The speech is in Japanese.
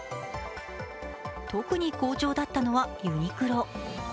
特に好調だったのは、ユニクロ。